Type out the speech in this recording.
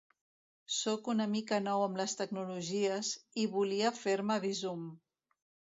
Soc una mica nou amb les tecnologies, i volia fer-me bizum.